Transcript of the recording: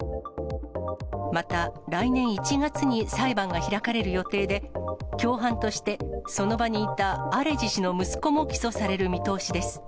また、来年１月に裁判が開かれる予定で、共犯としてその場にいたアレジ氏の息子も起訴される見通しです。